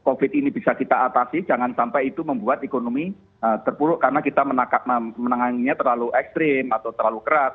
covid ini bisa kita atasi jangan sampai itu membuat ekonomi terpuruk karena kita menangannya terlalu ekstrim atau terlalu keras